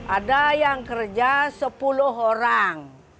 ada yang kerja sepuluh orang